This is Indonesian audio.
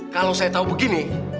kalau saya tahu begini